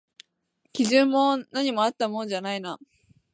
基準も何もあったもんじゃないな